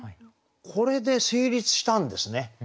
これで成立したんですね